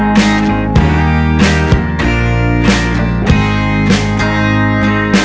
terima kasih banyak om tante